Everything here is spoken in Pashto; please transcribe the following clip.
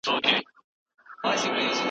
خلګو مخکي درک کړی و.